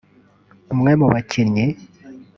umwe mu bakinnyi